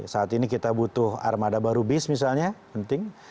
saat ini kita butuh armada baru bis misalnya penting